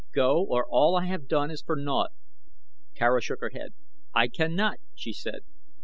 Go, or all I have done is for naught." Tara shook her head. "I cannot," she said.